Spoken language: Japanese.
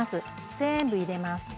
全部入れます。